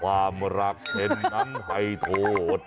ความรักเช่นนั้นให้โทษ